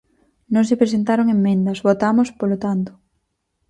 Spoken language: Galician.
Non se presentaron emendas, votamos, polo tanto.